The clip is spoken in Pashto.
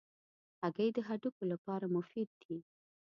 هګۍ د هډوکو لپاره مفید دي.